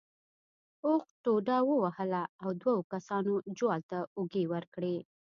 اوښ ټوډه ووهله او دوو کسانو جوال ته اوږې ورکړې.